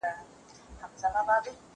زه پرون شګه پاکه کړه،